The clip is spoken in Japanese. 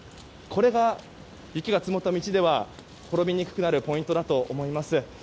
これが雪が積もった道では転びにくくなるポイントだと思います。